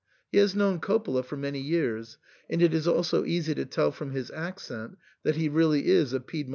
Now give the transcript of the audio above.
He has known Cop pola for many years ; and it is also easy to tell from his accent that he really is a Piedmontese.